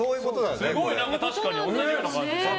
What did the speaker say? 確かに同じような感じ。